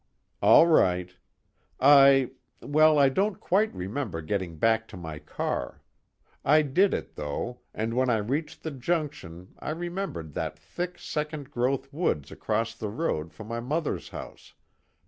"All right. I ... well, I don't quite remember getting back to my car. I did it though, and when I reached the junction I remembered that thick second growth woods across the road from my mother's house.